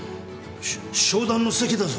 商談の席だぞ。